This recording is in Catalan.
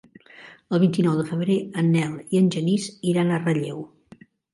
El vint-i-nou de febrer en Nel i en Genís iran a Relleu.